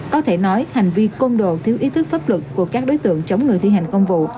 có thể nói hành vi côn đồ thiếu ý thức pháp luật của các đối tượng chống người thi hành công vụ